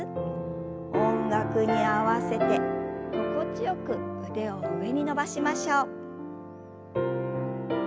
音楽に合わせて心地よく腕を上に伸ばしましょう。